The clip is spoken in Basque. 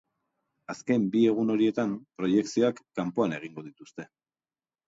Azken bi egun horietan, proiekzioak kanpoan egingo dituzte.